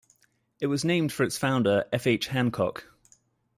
It was named for its founder, F. H. Hancock.